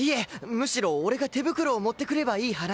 むしろ俺が手袋を持ってくればいい話で。